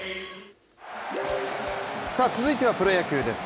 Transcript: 続いてはプロ野球です。